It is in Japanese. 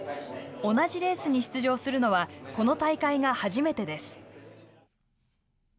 同じレースに出場するのはこの大会が初めてです。